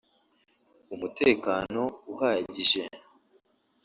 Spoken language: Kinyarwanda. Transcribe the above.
umutekano uhagije